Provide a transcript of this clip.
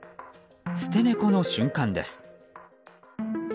捨て猫の瞬間です。